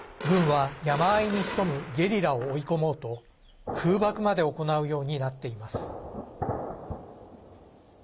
軍は、山あいに潜むゲリラを追い込もうと空爆まで行うようになっています。